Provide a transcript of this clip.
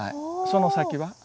その先は？